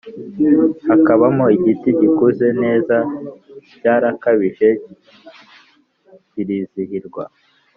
Hakabamo igiti gikuze neza Cyarakabije kirizihirwa